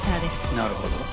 なるほど。